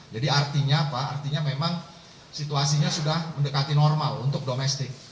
jadi artinya apa artinya memang situasinya sudah mendekati normal untuk domestik